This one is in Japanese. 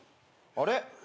あれ？